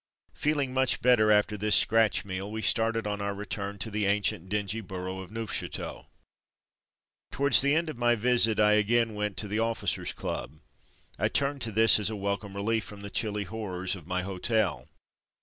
Feeling much better after this scratch meal we started on our return to that ancient, dingy borough of Neuf chateau. Towards the end of my visit I again went to the Officers^ Club. I turned to this as a welcome relief from the chilly horrors of my '' hotel.